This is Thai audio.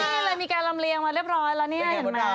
ใช่เลยมีการลำเลียงมาเรียบร้อยแล้วเนี่ยเห็นไหม